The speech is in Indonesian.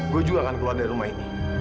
gue juga akan keluar dari rumah ini